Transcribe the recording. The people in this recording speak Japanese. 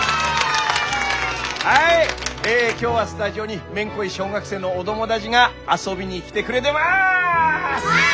はい今日はスタジオにめんこい小学生のお友達が遊びに来てくれでます！